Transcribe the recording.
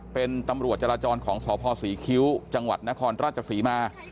เป็นตำรวจจราจรของสพศรีคิ้วจังหวัดนครราชศรีมา